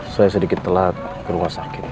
saya sedikit telat ke rumah sakit